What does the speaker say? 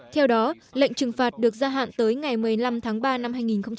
theo đó lệnh trừng phạt được gia hạn tới ngày một mươi năm tháng ba năm hai nghìn hai mươi